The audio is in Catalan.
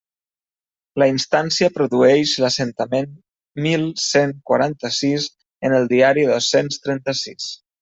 La instància produeix l'assentament mil cent quaranta-sis en el Diari dos-cents trenta-sis.